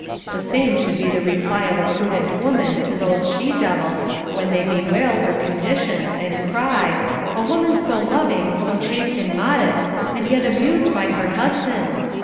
The same should be the reply of a prudent woman to those she devils, when they bewail her condition, and cry, A woman so loving, so chaste and modest, and yet abused by her husband